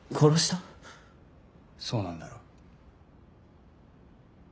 そうなんだろ？